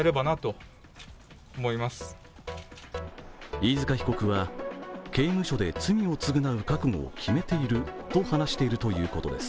飯塚被告は、刑務所で罪を償う覚悟を決めていると話しているということです。